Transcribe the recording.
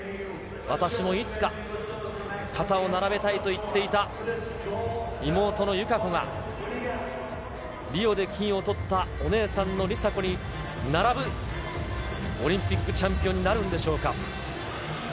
私もいつか、肩を並べたいと言っていた、妹の友香子が、リオで金をとったお姉さんの梨紗子に並ぶ、オリンピックチャンピオンになるんでしょうか。